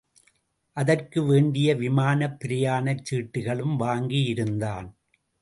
அதற்கு வேண்டிய விமானப் பிரயாணச் சீட்டுகளும் வாங்கியிருந்தான்.